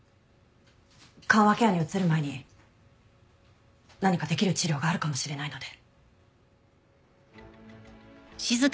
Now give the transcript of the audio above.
緩和ケアに移る前に何かできる治療があるかもしれないので。